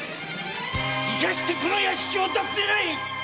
生かしてこの屋敷を出すでない！